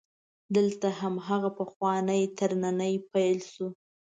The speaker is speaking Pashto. دلته هم هماغه پخوانی ترننی پیل شو.